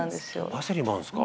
「パセリもあるんですか？」